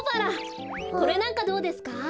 これなんかどうですか？